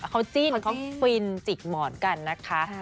เขาจิ้นเขาฟินจิกหมอนกันนะคะ